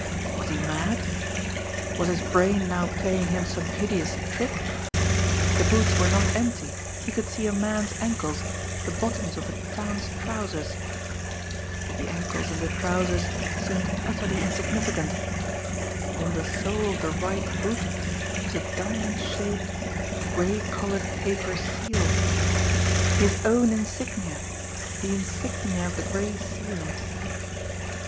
Was he mad! Was his brain now playing him some hideous trick! The boots were not empty, he could see a man's ankles, the bottoms of a town's trousers; but the ankles and the trousers seemed utterly insignificant on the sole of the right boot was a diamond shaped, gray coloured, paper seal! His own insignia the insignia of the Gray Seal!